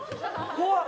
怖っ。